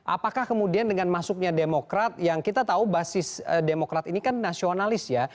apakah kemudian dengan masuknya demokrat yang kita tahu basis demokrat ini kan nasionalis ya